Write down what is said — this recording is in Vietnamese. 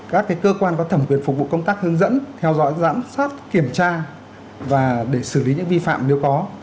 các cơ quan có thẩm quyền phục vụ công tác hướng dẫn theo dõi giám sát kiểm tra và để xử lý những vi phạm nếu có